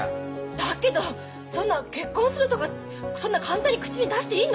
だけどそんな結婚するとかそんな簡単に口に出していいの？